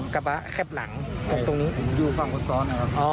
ผมพร้อมครับผมอยู่ฝั่งควดซ้อน